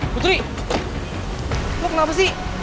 putri lo kenapa sih